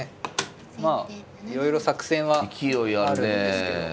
まあいろいろ作戦はあるんですけど。